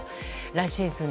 来シーズン